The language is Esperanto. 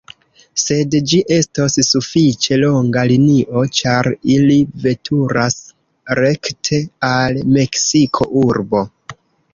Sed ĝi estos sufiĉe longa linio, ĉar ili veturas rekte al Meksiko-urbo.